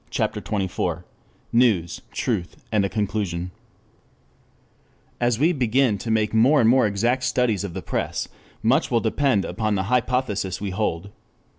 CHAPTER XXIV NEWS, TRUTH, AND A CONCLUSION As we begin to make more and more exact studies of the press, much will depend upon the hypothesis we hold.